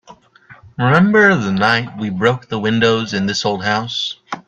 Remember the night we broke the windows in this old house?